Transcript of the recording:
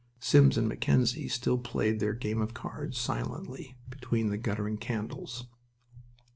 Sims and Mackenzie still played their game of cards, silently, between the guttering candles.